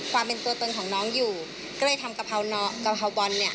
ความเป็นตัวตนของน้องอยู่ก็เลยทำกะเพรากะเพราบอลเนี่ย